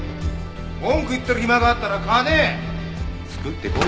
文句言ってる暇があったら金作ってこいよ！